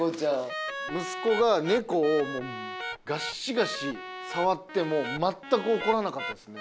息子が猫をガッシガシ触っても全く怒らなかったですね